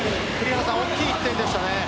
大きい１点でしたね。